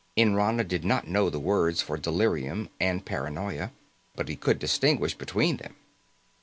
Nrana did not know the words for delirium and paranoia, but he could distinguish between them.